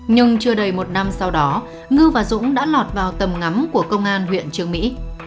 nhưng chưa đầy một năm sau đó ngư và dũng đã lọt vào tầm ngắm của công an huyện trường mỹ